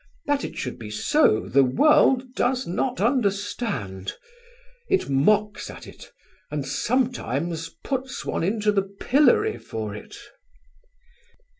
That it should be so the world does not understand. It mocks at it and sometimes puts one into the pillory for it."